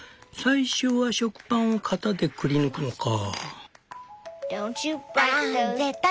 最初は食パンを型でくりぬくのか」。